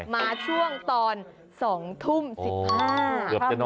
มาช่วงตอน๒ทุ่ม๑๕